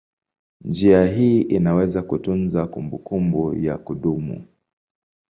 Njia hii inaweza kutunza kumbukumbu ya kudumu.